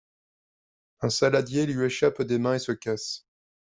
Un saladier lui échappe des mains et se casse.